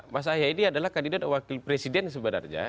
mas ahy ini adalah kandidat wakil presiden sebenarnya